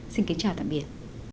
xin kính chào và tạm biệt